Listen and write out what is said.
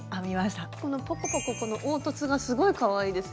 このポコポコ凹凸がすごいかわいいですよね。